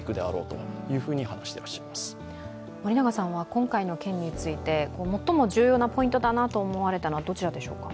今回の件について最も重要なポイントだなと思われたのはどちらでしょうか？